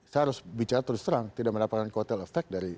saya harus bicara terus terang tidak mendapatkan kotel efek dari